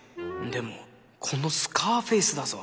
でもこのスカーフェースだぞ。